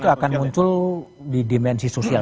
itu akan muncul di dimensi sosial